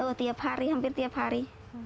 oh hampir tiap hari